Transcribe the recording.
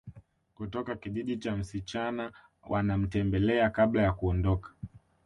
Kutoka kijiji cha msichana wanamtembelea kabla ya kuondoka